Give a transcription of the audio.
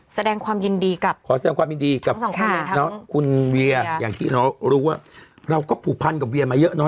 แสดงความยินดีกับคุณเวียร์อย่างที่เรารู้ว่าเราก็ผูพันกับเวียร์มาเยอะเนอะ